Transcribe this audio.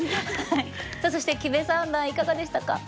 さあそして木部三段いかがでしたか？